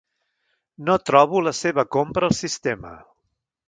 No trobo la seva compra al sistema.